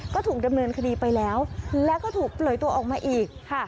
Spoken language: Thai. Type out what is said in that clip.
ก็ถูกดำเนินคดีไปแล้วแล้วก็ถูกปล่อยตัวออกมาอีกค่ะ